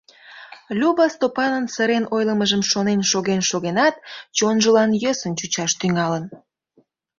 Люба, Стопанын сырен ойлымыжым шонен шоген-шогенат, чонжылан йӧсын чучаш тӱҥалын.